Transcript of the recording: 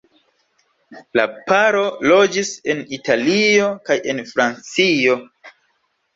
La paro loĝis en Italio kaj en Francio.